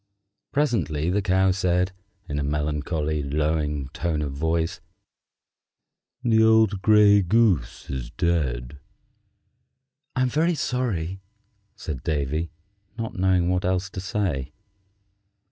Presently the Cow said, in a melancholy, lowing tone of voice, "The old gray goose is dead." "I'm very sorry," said Davy, not knowing what else to say.